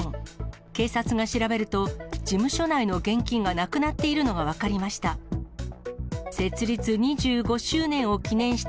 警察が調べると、事務所内の現金がなくなっているのが分かりました。